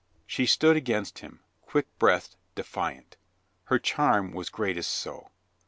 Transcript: She stood against him, quick breathed, defiant Her charm was greatest so.